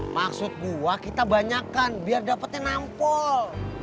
maksud gua kita banyakan biar dapatnya nampol